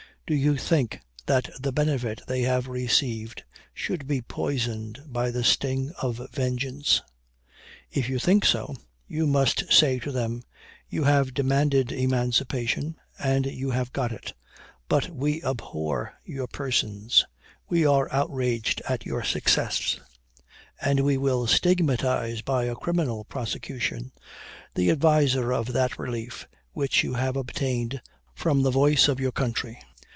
Do you think that the benefit they have received, should be poisoned by the sting of vengeance. If you think so, you must say to them: You have demanded emancipation, and you have got it; but we abhor your persons; we are outraged at your success, and we will stigmatize by a criminal prosecution the adviser of that relief which you have obtained from the voice of your country.